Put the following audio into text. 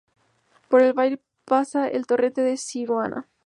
Por el valle pasa el torrente de Siurana.